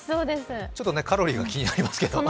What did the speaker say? ちょっとね、カロリーが気になりますけれども。